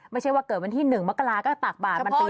ไม่ใช่ว่าเกิดวันที่หนึ่งมกราก็ตักบาตรปีละครั้ง